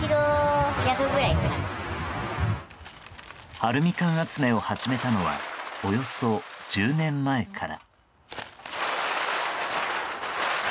アルミ缶集めを始めたのはおよそ１０年前から。